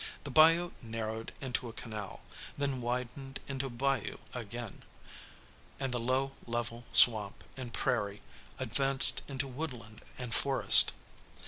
The bayou narrowed into a canal, then widened into a bayou again, and the low, level swamp and prairie advanced into woodland and forest.